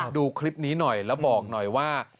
ดูคลิปนี้หน่อยแล้วบอกหน่อยว่า